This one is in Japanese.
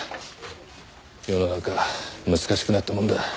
世の中難しくなったもんだ。